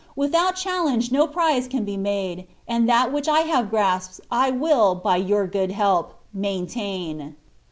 * Witliout challenge no prize can be made, and that which 1 have grasped I will, by your good help, mainUiin."